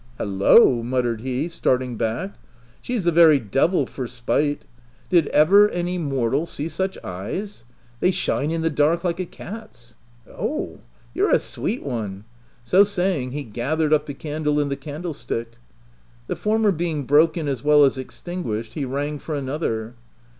" Hal lo !" muttered he, starting back —" She's the very devil for spite ! Did ever any OF WILDFELL HALL. 63 mortal see such eyes ?— they shine in the dark like a cat's. Oh, you're a sweet one !" so say ing, he gathered up the candle and the candle stick. The former being broken as well as extinguished, he rang for another.